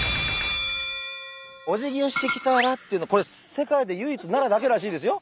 お辞儀をしてきたらっていうのこれ世界で唯一奈良だけらしいですよ。